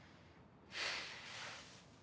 フゥ。